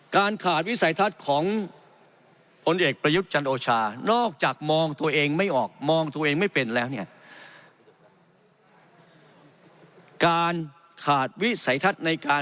การขาดวิสัยทัศน์ของพลเอกประยุทธ์จันทร์โอชา